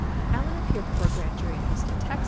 Allen appeared before a grand jury in Houston, Tex.